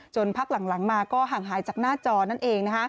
พักหลังมาก็ห่างหายจากหน้าจอนั่นเอง